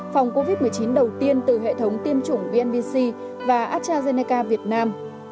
phòng covid một mươi chín đầu tiên từ hệ thống tiêm chủng vnc và astrazeneca việt nam